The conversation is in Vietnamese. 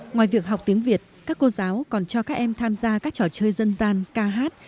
ngoài việc học tiếng việt các cô giáo còn cho các em tham gia các trò chơi dân gian ca hát